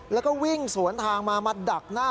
แล้วก็วิ่งสวนทางมามาดักหน้า